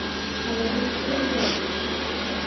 Але де ж скринька?